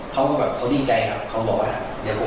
เค้าก็ยิ่มใหญ่เค้าขอบคุณ